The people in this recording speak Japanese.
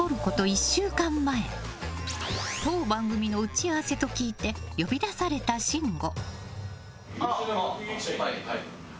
１週間前当番組の打ち合わせと聞いて呼び出された信五。